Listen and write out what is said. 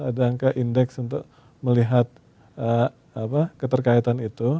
ada angka indeks untuk melihat keterkaitan itu